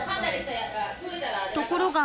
ところが。